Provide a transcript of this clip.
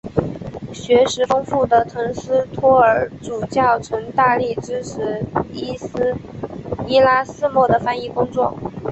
学识丰富的滕斯托尔主教曾大力支持伊拉斯谟的翻译工作。